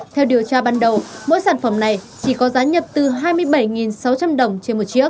theo điều tra ban đầu mỗi sản phẩm này chỉ có giá nhập từ hai mươi bảy sáu trăm linh đồng trên một chiếc